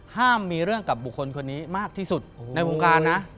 ห้ามมีเรื่องกับบุคคลคนนี้มากที่สุดในวงการนะ